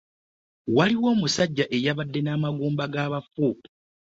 Waliwo omusajja eyabade n'amagumba g'abafu.